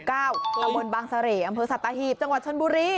ตำบลบางเสร่อำเภอสัตหีบจังหวัดชนบุรี